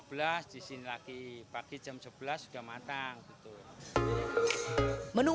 bahwa kita benar banyak fik mkr vere tersebut didri mcmahon habl more